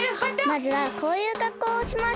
まずはこういうかっこうをします。